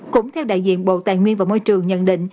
cũng theo đại diện bộ tài nguyên và môi trường nhận định